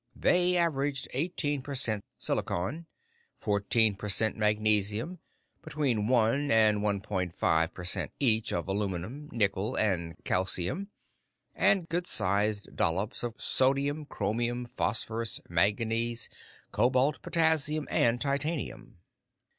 They averaged eighteen per cent silicon, fourteen per cent magnesium, between one and one point five per cent each of aluminum, nickel, and calcium, and good sized dollops of sodium, chromium, phosphorous, manganese, cobalt, potassium, and titanium.